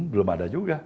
belum ada juga